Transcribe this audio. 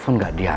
kan kayak gitu